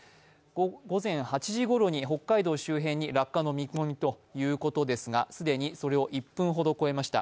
午前８時ごろに北海道周辺に落下の見込みということですが既にそれを１分ほど超えました。